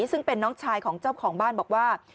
ซึ่งเป็นน้องชายของเจ้าของบ้านบอกว่า